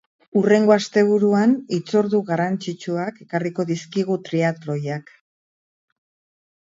Hurrengo asteburuan hitzordu garrantzitsuak ekarriko dizkigu triatloiak.